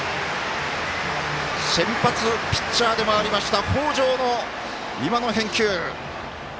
先発ピッチャーでもありました北條の今の返球。